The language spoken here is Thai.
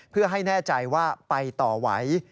เพื่อให้แน่ใจว่าไปต่อไหว